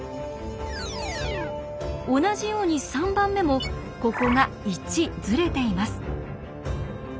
同じように３番目もここが１ずれています。